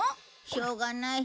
しょうがない。